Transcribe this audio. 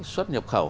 xuất nhập khẩu